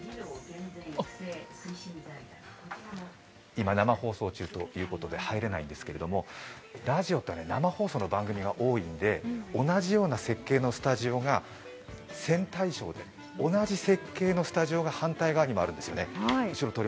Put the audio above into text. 今、生放送中ということで入れないんですけれどもラジオって、生放送の番組が多いんで、同じような設計のスタジオが線対称で同じ設計のスタジオが反対側にもあるんですよね。